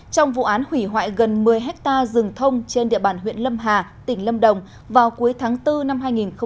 trong vụ án hủy hoại gần một mươi hectare rừng thông trên địa bàn huyện lâm hà tỉnh lâm đồng vào cuối tháng bốn năm hai nghìn một mươi chín